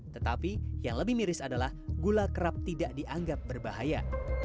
tetapi yang lebih miris adalah gula kerap tidak dianggap berbahaya